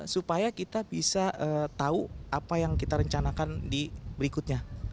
supaya kita bisa tahu apa yang kita rencanakan di berikutnya